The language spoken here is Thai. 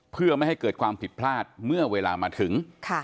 เพื่อไม่ให้เกิดความผิดพลาดเมื่อเวลามาถึง